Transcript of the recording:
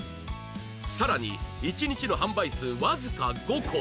更に１日の販売数わずか５個